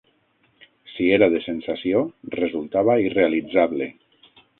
Si era de sensació resultava irrealitzable